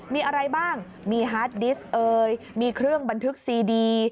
มีอะไรบ้างมีฮาร์ดดิสต์เอ่ยมีเครื่องบันทึกซีดี